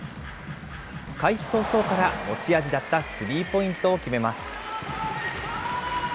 開始早々から持ち味だったスリーポイントを決めます。